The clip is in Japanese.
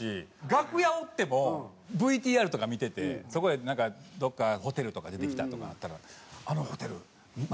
楽屋おってもＶＴＲとか見ててそこでなんかどこかホテルとか出てきたとかあったら「あのホテル前行ったな」とか。